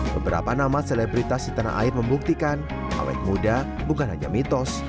beberapa nama selebritas di tanah air membuktikan awet muda bukan hanya mitos